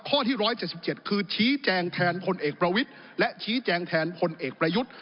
ข้อที่๑๗๗คือชี้แจงแทนพลเอกประวิทย์และชี้แจงแทนพลเอกประยุทธ์